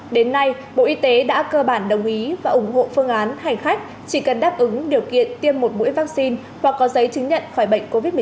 đến nay bộ y tế đã cơ bản đồng ý và ủng hộ phương án hành khách chỉ cần đáp ứng điều kiện tiêm một mũi vaccine hoặc có giấy chứng nhận khỏi bệnh covid một mươi chín